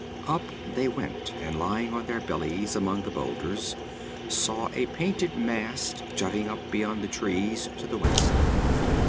Up they went, and lying on their bellies among the boulders, saw a painted mast jutting up beyond the trees to the west.